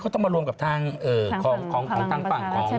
เขาต้องมารวมกับทางของตังผัง